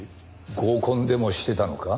合コンでもしてたのか？